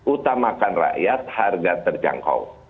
utamakan rakyat harga terjangkau